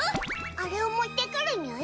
あれを持ってくるにゅい？